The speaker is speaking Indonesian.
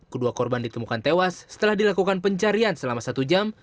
kedua korban ditemukan tewas setelah dilakukan pencarian selama satu jam